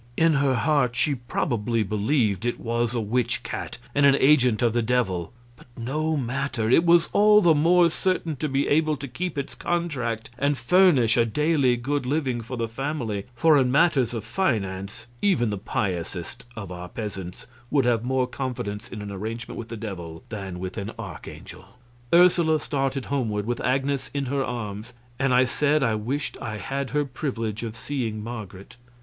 In her heart she probably believed it was a witch cat and an agent of the Devil; but no matter, it was all the more certain to be able to keep its contract and furnish a daily good living for the family, for in matters of finance even the piousest of our peasants would have more confidence in an arrangement with the Devil than with an archangel. Ursula started homeward, with Agnes in her arms, and I said I wished I had her privilege of seeing Marget.